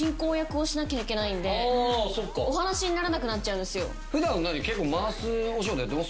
お話にならなくなっちゃうんですよ。